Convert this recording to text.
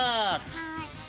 はい。